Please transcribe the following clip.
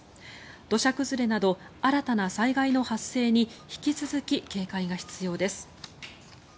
土砂崩れなど新たな災害の発生に引き続き警戒が必要です。